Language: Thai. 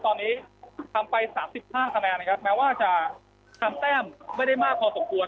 ตอนนี้ทำไป๓๕คะแนนนะครับแม้ว่าจะทำแต้มไม่ได้มากพอสมควร